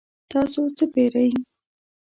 تاسو څه پیرئ؟